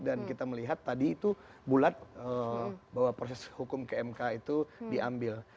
dan kita melihat tadi itu bulat bahwa proses hukum kmk itu diambil